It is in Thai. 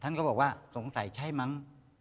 ก็บอกว่าสงสัยใช่มั้ง